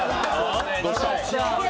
どうした？